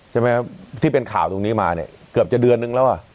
ใช่ไหมครับที่เป็นข่าวตรงนี้มาเนี่ยเกือบจะเดือนนึงแล้วอ่ะ